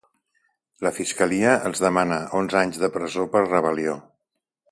La fiscalia els demana onze anys de presó per rebel·lió.